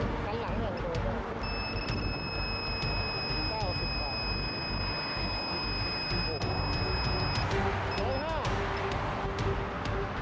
พวกนี้มีแบบเป็นมองทางหน้า